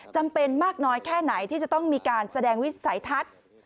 จำเป็นมากน้อยแค่ไหนที่จะต้องมีการแสดงวิสัยทัศน์